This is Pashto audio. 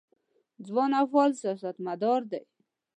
ځوان او فعال سیاستمدار دی.